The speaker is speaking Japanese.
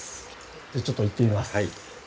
じゃあちょっと行ってみます。